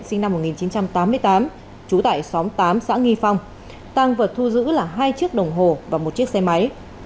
sinh năm một nghìn chín trăm tám mươi tám trú tại xóm tám xã nghi phong tăng vật thu giữ là hai chiếc đồng hồ và một chiếc xe máy